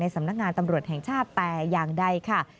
สำนักงานตำรวจแห่งชาติแต่อย่างใดค่ะ